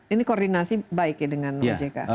ini koordinasi baik ya dengan ojk